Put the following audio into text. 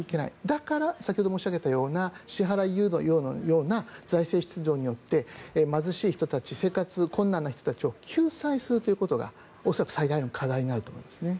だから、先ほど申し上げたような支払い猶予のような財政出動によって貧しい人たち生活が困難な人たちを救済するということが恐らく最大の課題になると思いますね。